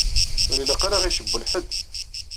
Ur ilaq ara ad ɣ-icewwel ḥedd.